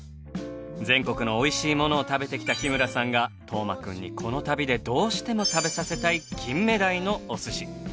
全国のおいしいものを食べてきた日村さんが斗真くんにこの旅でどうしても食べさせたい金目鯛のお寿司。